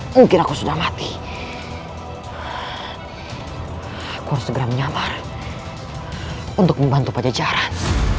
mungkin aku sudah mati aku harus segera menyamar untuk membantu pada jalan